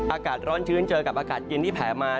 อากาศร้อนชื้นเจอกับอากาศเย็นที่แผลมา